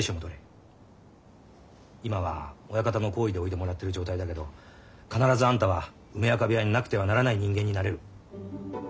今は親方の厚意で置いてもらってる状態だけど必ずあんたは梅若部屋になくてはならない人間になれる。